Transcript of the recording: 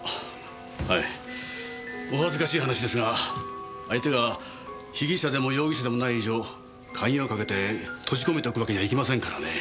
はいお恥ずかしい話ですが相手が被疑者でも容疑者でもない以上鍵をかけて閉じ込めておくわけにはいきませんからね。